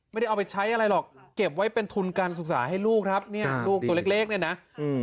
ไม่ได้เอาไปใช้อะไรหรอกเก็บไว้เป็นทุนการศึกษาให้ลูกครับเนี่ยลูกตัวเล็กเล็กเนี่ยนะอืม